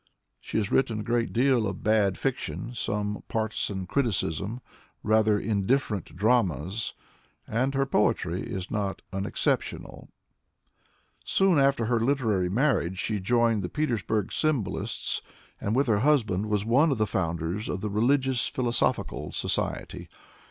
She has written a great deal of bad fiction, some partisan criticism, rather indifferent dramas, and her poetry is not un exceptionable. Soon after her literary marriage she joined the Petersburg symbolists, and with her husband was one of the founders of the Religious Philosophical Society.